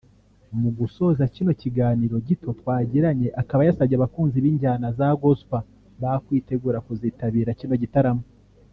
Mu gusoza kino kiganiro gito twagiranye akaba yasabye abakunzi b’injyana za gospel bakwitegura kuzitabira kino gitaramo